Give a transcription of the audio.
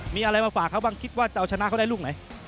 มีอะไรมาฝากเขาบ้างคิดว่าจะเอาชนะเขาได้ลูกไหน